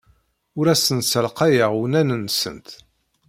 Ur asent-ssalqayeɣ unan-nsent.